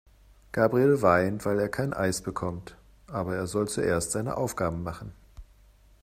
Gabriel weint, weil er kein Eis bekommt. Aber er soll zuerst seine Aufgaben machen.